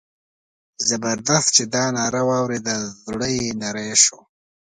زبردست چې دا ناره واورېده زړه یې نری شو.